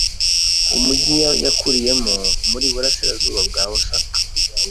Umujyi yakuriyemo uri mu burasirazuba bwa Osaka.